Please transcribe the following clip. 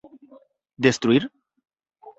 _¿Destruír?